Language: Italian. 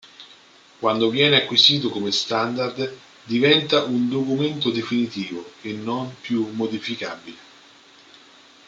Quando viene acquisito come standard, diventa un documento definitivo e non più modificabile.